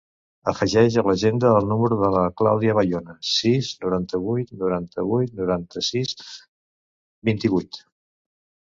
Afegeix a l'agenda el número de la Clàudia Bayona: sis, noranta-vuit, noranta-vuit, noranta-sis, vint-i-vuit.